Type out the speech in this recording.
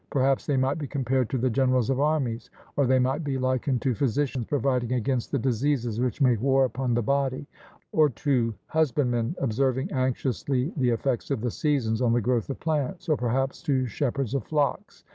Perhaps they might be compared to the generals of armies, or they might be likened to physicians providing against the diseases which make war upon the body, or to husbandmen observing anxiously the effects of the seasons on the growth of plants; or perhaps to shepherds of flocks.